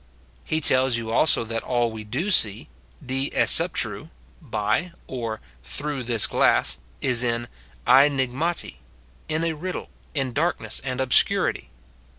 He tells you also that all that we do see. Si koirTpov, "by" or "through this glass," is in ah'tyixan, — in "a riddle," in darkness and obscurity.